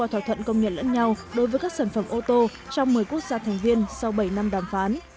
thỏa thuận công nhận lẫn nhau đối với các sản phẩm ô tô trong một mươi quốc gia thành viên sau bảy năm đàm phán